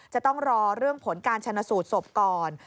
จะต้องรอเรื่องผลการชนะสูตรศพก่อน